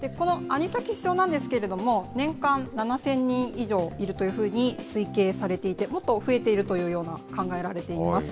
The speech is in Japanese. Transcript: このアニサキス症なんですけれども、年間７０００人以上いるというふうに推計されていて、もっと増えているというような考えられています。